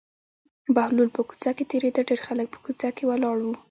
بهلول په کوڅه کې تېرېده ډېر خلک په کوڅه کې ولاړ وو.